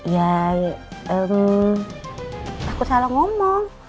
ya takut salah ngomong